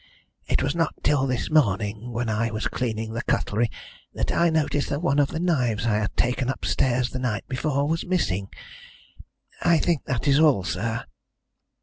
It was not till this morning, when I was cleaning the cutlery, that I noticed that one of the knives I had taken upstairs the night before was missing. I think that is all, sir."